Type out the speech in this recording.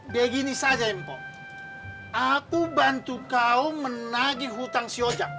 begini saja impor aku bantu kau menagih hutang si oja